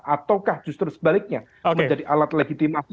ataukah justru sebaliknya menjadi alat legitimasi